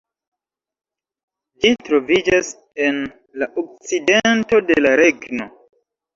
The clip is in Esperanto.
Ĝi troviĝas en la okcidento de la regno.